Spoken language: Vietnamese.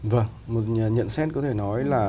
vâng một nhận xét có thể nói là